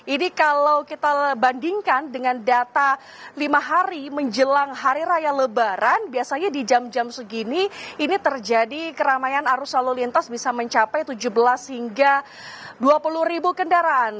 ini kalau kita bandingkan dengan data lima hari menjelang hari raya lebaran biasanya di jam jam segini ini terjadi keramaian arus lalu lintas bisa mencapai tujuh belas hingga dua puluh ribu kendaraan